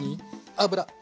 油！